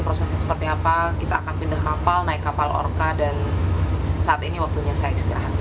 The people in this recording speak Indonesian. prosesnya seperti apa kita akan pindah kapal naik kapal orka dan saat ini waktunya saya istirahat